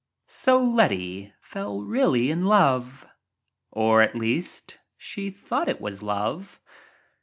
So Letty fell really in love — or at least she thought it was love.